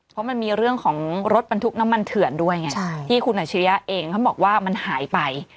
เพราะมันมีเรื่องของรถบรรทุกน้ำมันเถื่อนด้วยไงที่คุณอาชิริยะเองเขาบอกว่ามันหายไป